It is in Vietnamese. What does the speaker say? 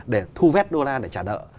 để thu vét đô la để trả nợ